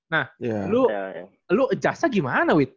nah lu adjust nya gimana widi